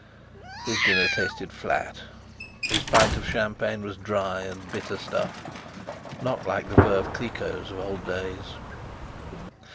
His dinner tasted flat. His pint of champagne was dry and bitter stuff, not like the Veuve Clicquots of old days.